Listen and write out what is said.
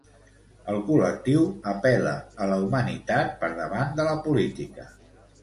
El col·lectiu apel·la a la humanitat per davant de la política.